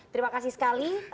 terima kasih sekali